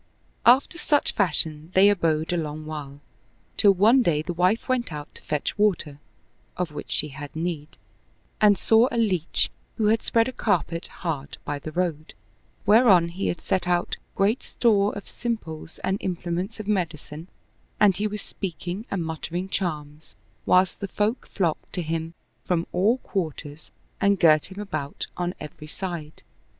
After such fashion they abode a long while till one day the wife went out to fetch water, of which she had need, and saw a leach who had spread a carpet hard by the road, whereon he had set out great store of simples and implements of medicine and he was speak ing and muttering charms, whilst the folk flocked to him 45 Oriental Mystery Stories 'from all quarters and girt him about on every side.